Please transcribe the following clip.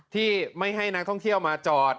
ที่ไม่ให้นักท่องเที่ยวมาจอด